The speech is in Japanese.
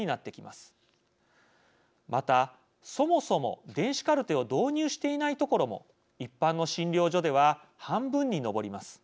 またそもそも電子カルテを導入していない所も一般の診療所では半分に上ります。